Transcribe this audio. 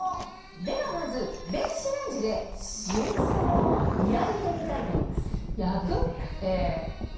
ではまず電子レンジで塩サバを焼いてみたいと思います。